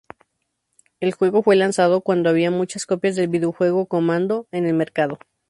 El juego fue lanzado cuando había muchas copias del videojuego "Commando" en el mercado.